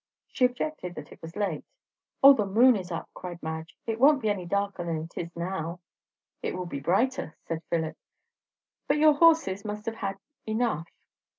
She objected that it was late. "O, the moon is up," cried Madge; "it won't be any darker than it is now." "It will be brighter," said Philip. "But your horses must have had enough."